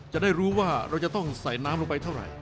จะได้รู้ว่าเราจะต้องใส่น้ำลงไปเท่าไหร่